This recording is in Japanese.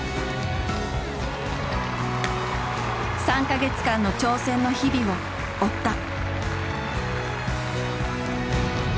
３か月間の挑戦の日々を追った。